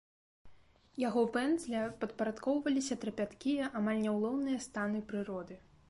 Яго пэндзля падпарадкоўваліся трапяткія, амаль няўлоўныя станы прыроды.